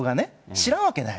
知らんわけない。